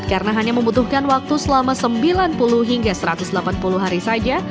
karena hanya membutuhkan waktu selama sembilan puluh hingga satu ratus delapan puluh hari saja